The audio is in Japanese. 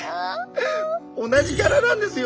同じギャラなんですよ